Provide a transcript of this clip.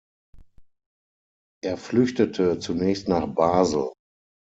Er flüchtete zunächst nach Basel.